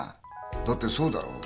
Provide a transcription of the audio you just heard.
だってそうだろう？